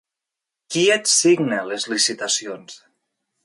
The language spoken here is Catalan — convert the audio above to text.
Qui et signa les licitacions?